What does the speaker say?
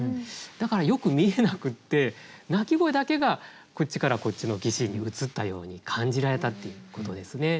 だからよく見えなくって鳴き声だけがこっちからこっちの岸に移ったように感じられたっていうことですね。